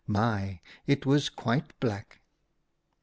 My ! it was quite black